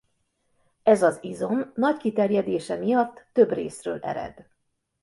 Ez az izom nagy kiterjedése miatt több részről ered.